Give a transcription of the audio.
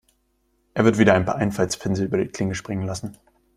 Er wird wieder ein paar Einfaltspinsel über die Klinge springen lassen.